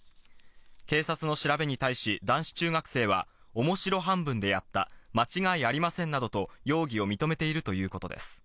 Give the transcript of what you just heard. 警察の調べに対し男子中学生は面白半分でやった、間違いありませんなどと、容疑を認めているということです。